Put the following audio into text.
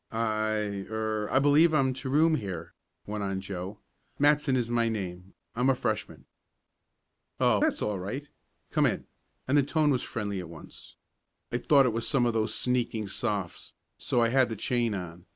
"I er I believe I'm to room here," went on Joe. "Matson is my name. I'm a Freshman " "Oh, that's all right. Come in!" and the tone was friendly at once. "I thought it was some of those sneaking Sophs., so I had the chain on.